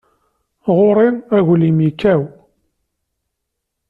Ɣur-i aglim yekkaw.